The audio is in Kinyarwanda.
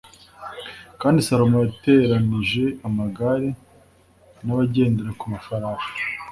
Kandi Salomo yateranije amagare n’abagendera ku mafarashi